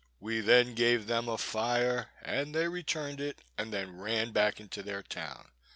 We then gave them a fire, and they returned it, and then ran back into their town.